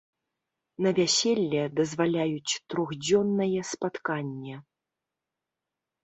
На вяселле дазваляюць трохдзённае спатканне.